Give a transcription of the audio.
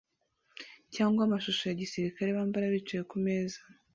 cyangwa amashusho ya gisirikare bambara bicaye kumeza